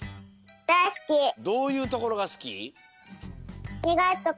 どういうところがスキ？